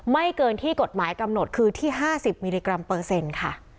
ไม่เกินที่กฎหมายกำหนดคือที่๕๐มิลลิกรัมเปอร์เซ็นต์ค่ะ